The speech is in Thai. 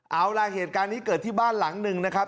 เอาล่ะเหตุการณ์นี้เกิดที่บ้านหลังหนึ่งนะครับ